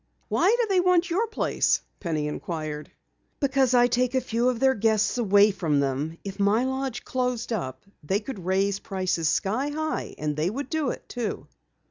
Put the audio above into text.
"Why do they want your place?" Penny inquired. "Because I take a few of their guests away from them. If my lodge closed up they could raise prices sky high, and they would do it, too!"